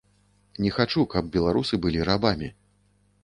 Не хачу, каб беларусы былі рабамі.